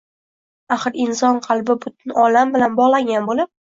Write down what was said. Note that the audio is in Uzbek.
Axir inson qalbi butun olam bilan bog‘langan bo‘lib